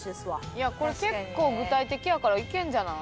いやこれ結構具体的やからいけるんじゃない？